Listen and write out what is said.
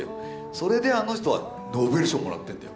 それであの人はノーベル賞もらってんだよ。